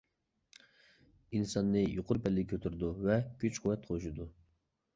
ئىنساننى يۇقىرى پەللىگە كۆتۈرىدۇ ۋە كۈچ-قۇۋۋەت قوشىدۇ.